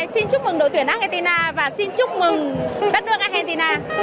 xin chúc mừng đội tuyển argentina và xin chúc mừng đất nước argentina